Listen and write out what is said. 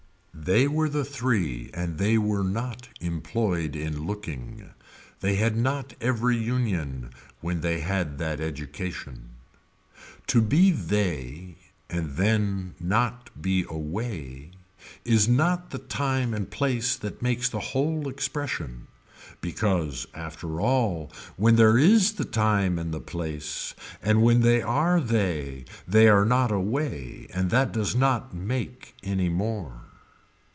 They were the three and they were not employed in looking. They had not every union when they had that education. To be they and then not be away is not the time and place that makes the whole expression because after all when there is the time and the place and when they are they they are not away and that does not make any more.